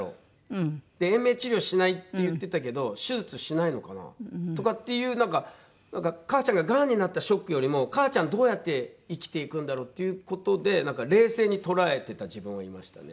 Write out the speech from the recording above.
延命治療しないって言ってたけど手術しないのかな？とかっていうなんか母ちゃんががんになったショックよりも母ちゃんどうやって生きていくんだろうっていう事で冷静に捉えてた自分はいましたね。